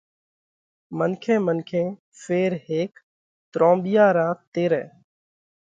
منکي منکي ڦيرهيڪ ترونٻِيا را تيرئہ،